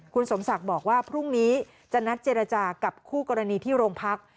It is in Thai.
คุณสมศักดิ์บอกว่าพรุ่งนี้จะนัดเจรจากับคู่กรณีที่โรงพัก